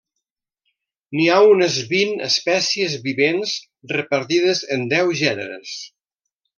N'hi ha unes vint espècies vivents repartides en deu gèneres.